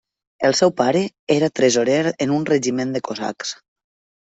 El seu pare era tresorer en un regiment de cosacs.